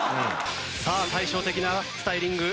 対照的なスタイリング。